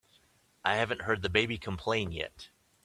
I haven't heard the baby complain yet.